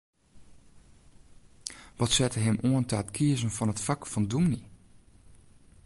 Wat sette him oan ta it kiezen fan it fak fan dûmny?